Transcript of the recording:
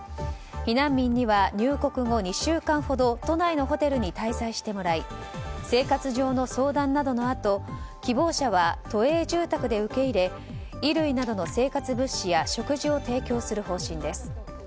避難民には入国後２週間ほど都内のホテルに滞在してもらい生活上の相談などのあと希望者は都営住宅で受け入れ衣類などの生活物資や食事を提供する方針です。